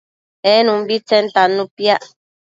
en umbitsen tannu piac